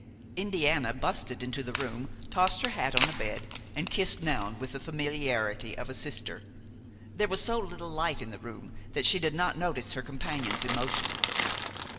Indiana busted into the room tossed her hat on the bed and kissed Noun with the familiarity of a sister. There was so little light in the room that she did not notice her companion's emotion.